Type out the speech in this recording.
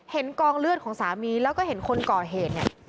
กองเลือดของสามีแล้วก็เห็นคนก่อเหตุเนี่ย